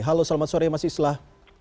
halo selamat sore mas islah